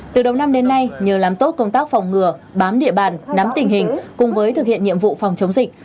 từ đầu năm đến nay nhờ làm tốt công tác phòng ngừa bám địa bàn nắm tình hình cùng với thực hiện nhiệm vụ phòng chống dịch